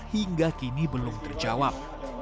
hingga kini belum terjawab